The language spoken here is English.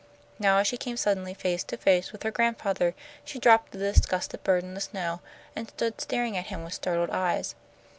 Now as she came suddenly face to face with her grandfather, she dropped the disgusted bird in the snow, and stood staring at him with startled eyes.